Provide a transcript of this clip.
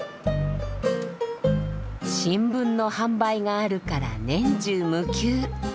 新聞の販売があるから年中無休。